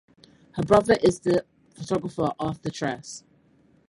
Her brother is the photographer Arthur Tress.